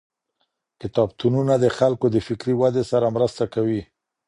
کتابتونونه د خلګو د فکري ودې سره مرسته کوي.